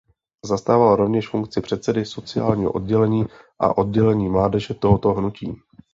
Zastával rovněž funkci předsedy sociálního oddělení a oddělení mládeže tohoto hnutí.